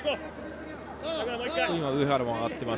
上原も上がっています。